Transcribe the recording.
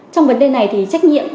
trong vấn đề này thì trách nhiệm